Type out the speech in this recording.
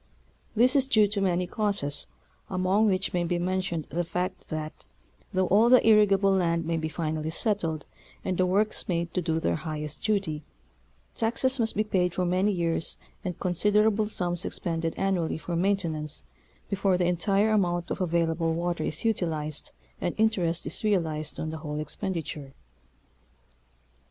This is due to many causes among which may be mentioned the fact that, though all the irrigable land may be finally settled and the works made to do their highest duty, taxes must be paid for many years and considerable sums expended annually for main tenance before the entire amount of available water is utilized, and interest is realized on the whole expenditure.